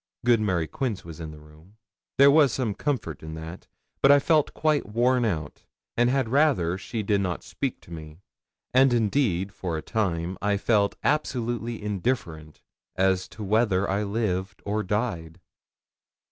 Good Mary Quince was in the room there was some comfort in that; but I felt quite worn out, and had rather she did not speak to me; and indeed for the time I felt absolutely indifferent as to whether I lived or died.